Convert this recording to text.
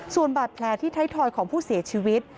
ส่วนบาดแผลที่ไทยทอยของผู้เสียชีวิต